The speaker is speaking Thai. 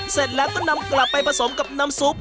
เสร็จแล้วก็นำกลับไปผสมกับน้ำซุป